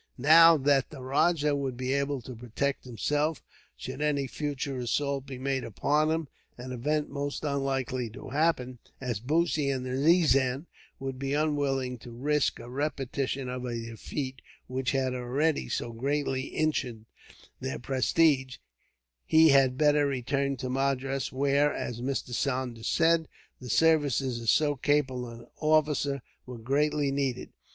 Now that the rajah would be able to protect himself, should any future assault be made upon him an event most unlikely to happen, as Bussy and the nizam would be unwilling to risk a repetition of a defeat, which had already so greatly injured their prestige he had better return to Madras, where, as Mr. Saunders said, the services of so capable an officer were greatly needed.